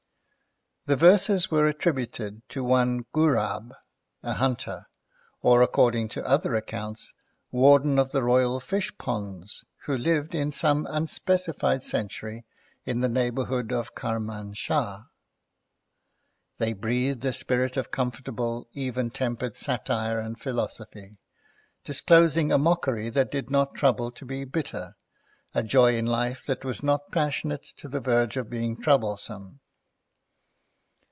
The verses were attributed to one Ghurab, a hunter, or, according to other accounts, warden of the royal fishponds, who lived, in some unspecified century, in the neighbourhood of Karmanshah. They breathed a spirit of comfortable, even tempered satire and philosophy, disclosing a mockery that did not trouble to be bitter, a joy in life that was not passionate to the verge of being troublesome.